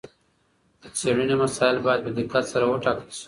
د څېړني مسایل باید په دقت سره وټاکل سي.